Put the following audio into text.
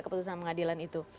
keputusan pengadilan itu